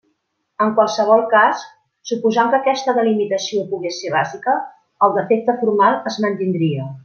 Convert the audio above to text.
En qualsevol cas, suposant que aquesta delimitació pogués ser bàsica, el defecte formal es mantindria.